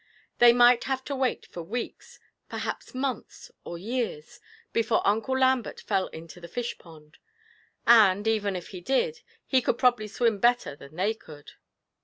They might have to wait for weeks, perhaps months or years, before Uncle Lambert fell into the fish pond and, even if he did, he could probably swim better than they could.